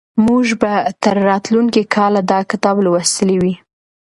موږ به تر راتلونکي کاله دا کتاب لوستلی وي.